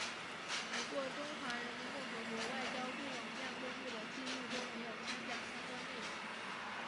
不过中华人民共和国外交部网站公布的记录中没有刊载相关内容。